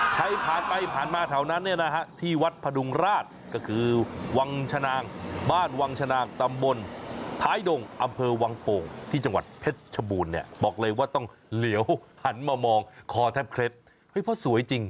ใครผ่านไปผ่านมาแถวนั้นเนี่ยนะฮะที่วัดพดุงราชก็คือวังชนางบ้านวังชนางตำบลท้ายดงอำเภอวังโป่งที่จังหวัดเพชรชบูรณ์เนี่ยบอกเลยว่าต้องเหลียวหันมามองคอแทบเคล็ดเฮ้ยเพราะสวยจริง